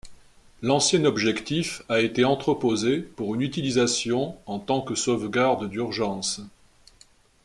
L'ancien objectif a été entreposé pour une utilisation en tant que sauvegarde d'urgence.